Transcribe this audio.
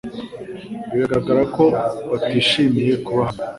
Biragaragara ko batishimiye kuba hano